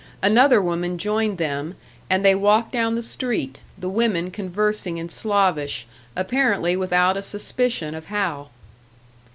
Another woman joined them, and they walked down the street, the women conversing in Slavish, apparently without a suspicion of Hal.